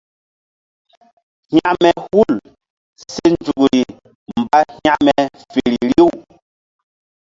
Hekme hul se nzukri mba hekme feri riw.